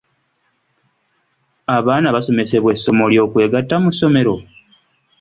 Abaana basomesebwa essomo ly'okwegatta mu ssomero?